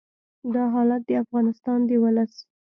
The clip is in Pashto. دا حالت د افغانستان د ولس